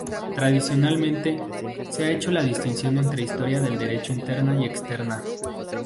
Tradicionalmente, se ha hecho la distinción entre historia del derecho interna y externa.